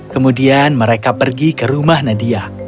kemudian mereka pergi ke rumah nadia